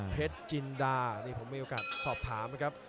จินดานี่ผมมีโอกาสสอบถามนะครับ